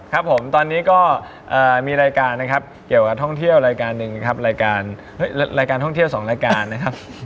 ครับผมตอนนี้ก็มีรายการนะครับเกี่ยวกับท่องเที่ยวรายการหนึ่งนะครับรายการรายการท่องเที่ยว๒รายการนะครับ